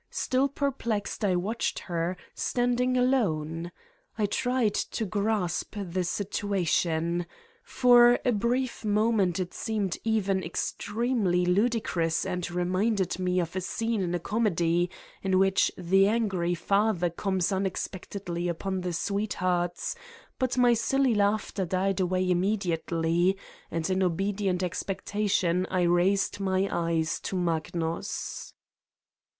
Still perplexed I watched her, standing alone! I tried to grasp the situation. For a brief moment it seemed even extremely ludicrous and reminded me of a scene in a comedy, in which the angry father comes unexpectedly upon the sweethearts, but my silly laughter died away immediately and in obedient expectation I raised my eyes to Magnus.